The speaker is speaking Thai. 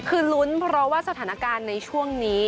คือลุ้นเพราะว่าสถานการณ์ในช่วงนี้